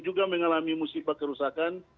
juga mengalami musibah kerusakan